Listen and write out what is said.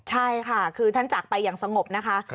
ใช่ค่ะคือท่านจากไปอย่างสงบนะคะ